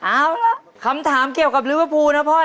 เอาล่ะคำถามเกี่ยวกับลิเวอร์พูลนะพ่อ